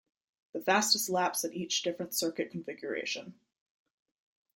The fastest laps at each different circuit configuration.